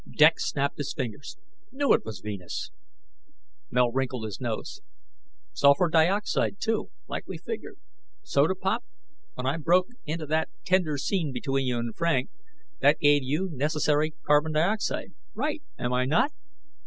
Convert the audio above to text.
Dex snapped his fingers. "Knew it was Venus." Mel wrinkled his nose. "Sulfur dioxide, too, like we figured. Soda pop, when I broke into that tender scene between you and Frank that gave you necessary carbon dioxide, right, am I not?"